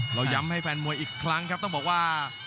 เราย้ำให้แฟนมวยอีกครั้งครับต้องบอกว่า